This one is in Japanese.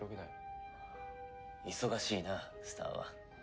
忙しいなスターは。